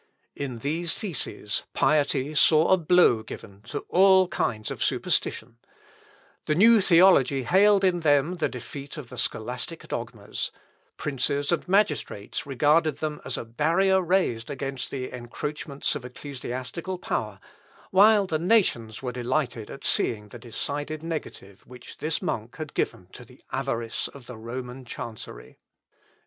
In these theses piety saw a blow given to all kinds of superstition; the new theology hailed in them the defeat of the scholastic dogmas; princes and magistrates regarded them as a barrier raised against the encroachments of ecclesiastical power; while the nations were delighted at seeing the decided negative which this monk had given to the avarice of the Roman chancery.